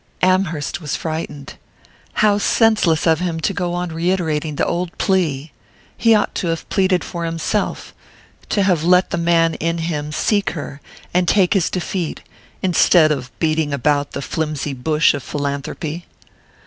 Amherst was frightened. How senseless of him to go on reiterating the old plea! He ought to have pleaded for himself to have let the man in him seek her and take his defeat, instead of beating about the flimsy bush of philanthropy.